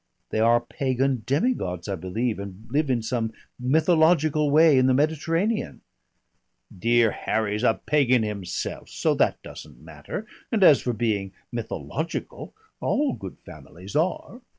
"They are pagan demigods, I believe, and live in some mythological way in the Mediterranean." "Dear Harry's a pagan himself so that doesn't matter, and as for being mythological all good families are.